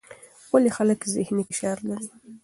ولې خلک ذهني فشار لري؟